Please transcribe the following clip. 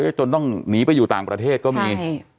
จนต้องหนีไปอยู่ต่างประเทศก็มี